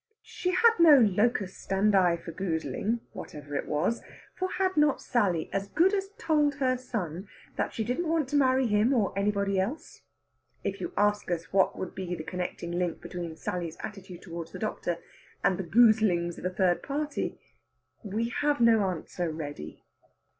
She had no locus standi for goozling, whatever it was; for had not Sally as good as told her son that she didn't want to marry him or anybody else? If you ask us what would be the connecting link between Sally's attitude towards the doctor and the goozlings of a third party, we have no answer ready.